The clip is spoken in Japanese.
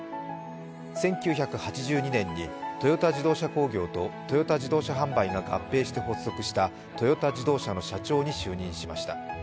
１９８２年にトヨタ自動車工業とトヨタ自動車販売が合併して発足したトヨタ自動車の社長に就任しました。